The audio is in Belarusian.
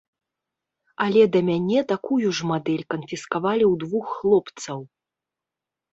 Але да мяне такую ж мадэль канфіскавалі ў двух хлопцаў.